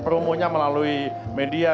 promonya melalui media